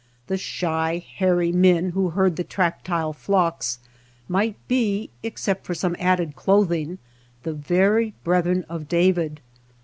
The shy hairy men who / herd the tractile flocks might be, except ^or some added clothing, the very brethren /of David.